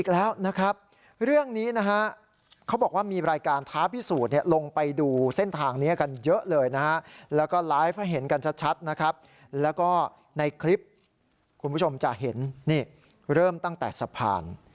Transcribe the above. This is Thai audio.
แล้วก็ในคลิปคุณผู้ชมจะเห็นนี่เริ่มตั้งแต่สะพาน